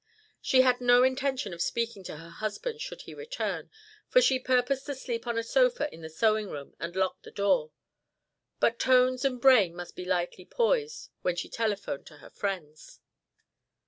She had no intention of speaking to her husband should he return, for she purposed to sleep on a sofa in the sewing room and lock the door, but tones and brain must be lightly poised when she telephoned to her friends.